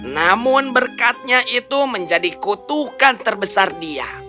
namun berkatnya itu menjadi kutukan terbesar dia